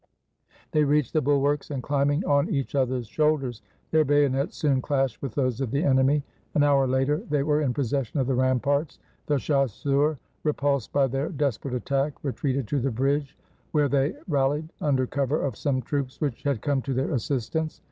They reached the bulwarks, and, climbing on each other's shoulders, their bayonets soon clashed with those of the enemy. An hour later, they were in possession of the ramparts. The chasseurs, repulsed by their desperate attack, retreated to the bridge, where they rallied, un der cover of some troops which had come to their assist ance.